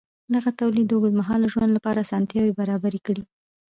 دغه تولید د اوږدمهاله ژوند لپاره اسانتیاوې برابرې کړې.